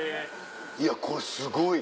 いやこれすごい。